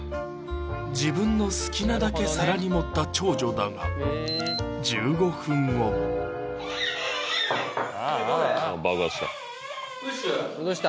自分の好きなだけ皿に盛った長女だがどうした？